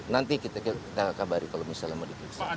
nanti kita kabari kalau misalnya mau diperiksa